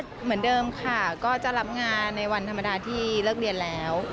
เหมือนเดิมค่ะก็จะรับงานในวันธรรมดาที่เลิกเรียนแล้ว